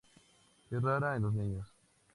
Es rara en los niños.